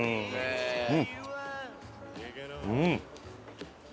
うん！